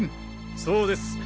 そうです